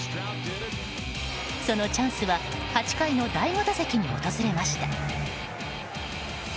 そのチャンスは８回の第５打席に訪れました。